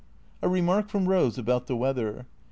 A remark from Eose about the weather.